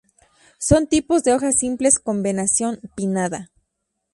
Son tipos de hojas simples con venación pinnada.